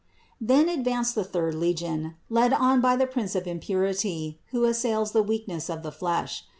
347. Then advanced the third legion, led on by the prince of impurity who assails the weakness of the flesh.